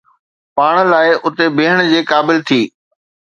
پاڻ لاء اٿي بيهڻ جي قابل ٿي